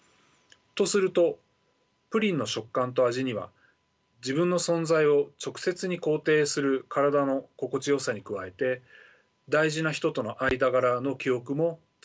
とするとプリンの食感と味には自分の存在を直接に肯定する体の心地よさに加えて大事な人との間柄の記憶も詰まっているでしょう。